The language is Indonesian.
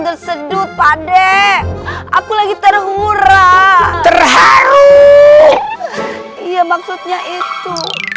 tersedut pade aku lagi terhura terharu iya maksudnya itu